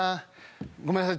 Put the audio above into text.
ごめんなさい